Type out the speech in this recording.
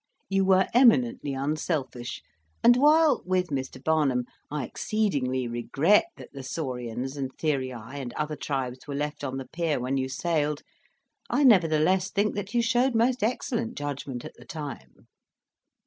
"You were eminently unselfish, and while, with Mr. Barnum, I exceedingly regret that the Saurians and Therii and other tribes were left on the pier when you sailed, I nevertheless think that you showed most excellent judgment at the time."